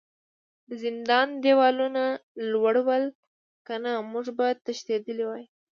د زندان دیوالونه لوړ ول کنه موږ به تښتیدلي وای